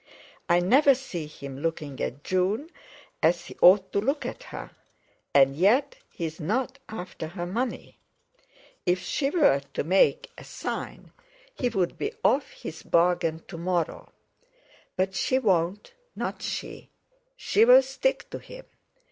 I never see him looking at June as he ought to look at her; and yet, he's not after her money. If she were to make a sign, he'd be off his bargain to morrow. But she won't—not she! She'll stick to him!